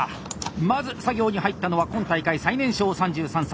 まず作業に入ったのは今大会最年少３３歳。